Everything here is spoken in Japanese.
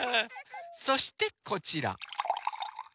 そしてこちら。